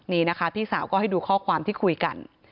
นี่นะคะพี่สาวก็ให้ดูข้อความที่คุยกัน